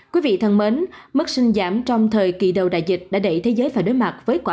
quý vị thân mến mức sinh giảm trong thời kỳ đầu đại dịch đã đẩy thế giới phải đối mặt với quả